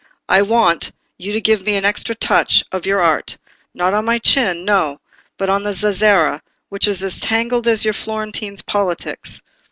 I want you to give me an extra touch of your art—not on my chin, no; but on the zazzera, which is as tangled as your Florentine politics.